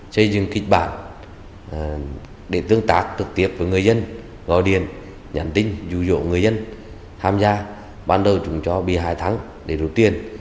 chây dương kích bản để tương tác thực tiệp với người dân gọi điện nhắn tin dụ dỗ người dân tham gia ban đầu chúng cho bị hại thắng để rút tiền